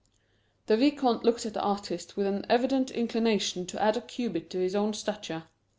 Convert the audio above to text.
The Vicomte looked at the artist with an evident inclination to add a cubit to his own stature.